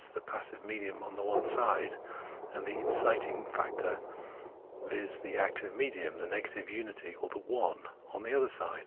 the passive medium, on the one side, and the inciting factor, viz. the active medium, the negative unity, or the "one" on the other side.